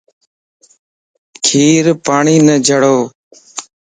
کير پاڻيني جڙووَ